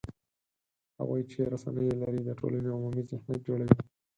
هغوی چې رسنۍ یې لري، د ټولنې عمومي ذهنیت جوړوي